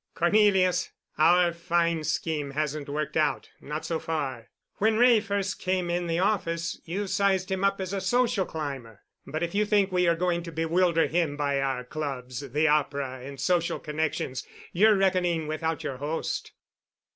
"Cornelius, our fine scheme hasn't worked out—not so far. When Wray first came in the office, you sized him up as a social climber. But, if you think we are going to bewilder him by our clubs, the opera, and social connections, you're reckoning without your host."